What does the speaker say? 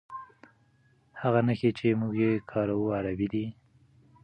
هغه نښې چې موږ یې کاروو عربي دي.